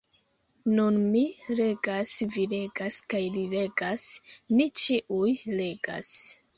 Nun mi legas, vi legas kaj li legas; ni ĉiuj legas.